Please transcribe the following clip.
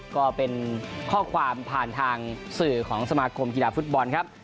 ก็เป็นข้อความผ่านทางสื่อของสมาคมกีฬาฟุตบอลครับ